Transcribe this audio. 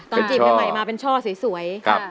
ตอนจิบใหม่มาเป็นช่อสวย